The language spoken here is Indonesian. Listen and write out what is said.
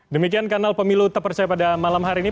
demikian kanal pemilu tepercaya pada malam hari ini